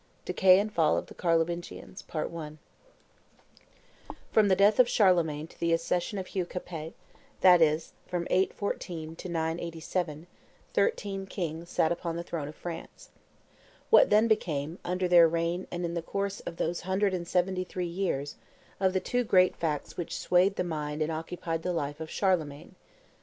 DECAY AND FALL OF THE CARLOVINGIANS. From the death of Charlemagne to the accession of Hugh Capet, that is, from 814 to 987, thirteen kings sat upon the throne of France. What then became, under their reign and in the course of those hundred and seventy three years, of the two great facts which swayed the mind and occupied the life of Charlemagne?